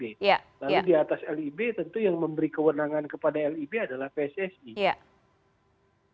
lalu di atas lib tentu yang memberi kewenangan kepada lib adalah pssi